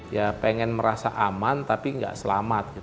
ya pengen merasa aman tapi nggak selamat